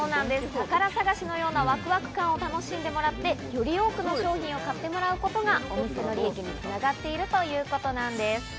宝探しのようなワクワク感を楽しんでもらって、より多くの商品を買ってもらうことが利益に繋がっているということなんです。